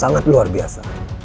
apa akan terjadi